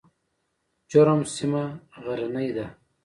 جرم سیمه غرنۍ ده؟